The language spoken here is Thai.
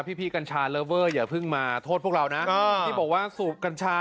พี่กัญชาเลอเวอร์อย่าเพิ่งมาโทษพวกเรานะที่บอกว่าสูบกัญชา